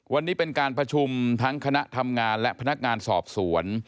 วันนี้เป็นการประชุมทั้งคณะทำงานและพนักงานสอบสวน